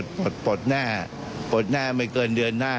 ก็ปลดหน้าไม่เกินเดือนหน้า